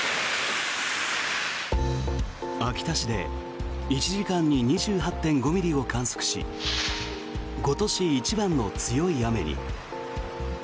秋田市で１時間に２８．５ミリを観測し今年一番の強い雨に。